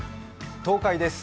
東海です。